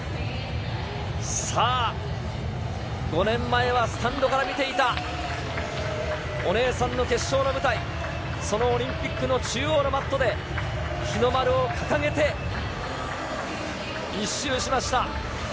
さあ、５年前はスタンドから見ていた、お姉さんの決勝の舞台、そのオリンピックの中央のマットで、日の丸を掲げて１周しました。